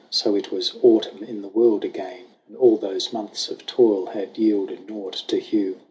So it was Autumn in the world again, And all those months of toil had yielded nought To Hugh.